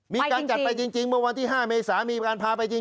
มีการจัดไปจริงเมื่อวันที่๕เมษามีการพาไปจริง